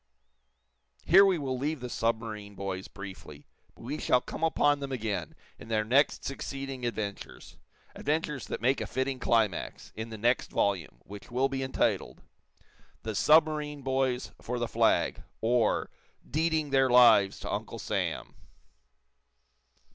Here we will leave the submarine boys briefly, but we shall come upon them again in their next succeeding adventures adventures that make a fitting climax, in the next volume, which will be entitled: "The Submarine Boys for the Flag; Or, Deeding Their Lives to Uncle Sam."